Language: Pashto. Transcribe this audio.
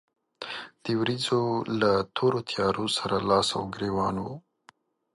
د ورېځو له تورو تيارو سره لاس او ګرېوان و.